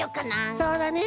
そうだね。